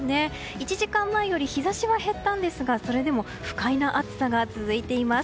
１時間前より日差しは減ったんですがそれでも不快な暑さが続いています。